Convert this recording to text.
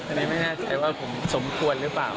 อันนี้ไม่แน่ใจว่าผมสมควรหรือเปล่า